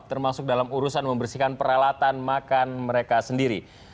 termasuk dalam urusan membersihkan peralatan makan mereka sendiri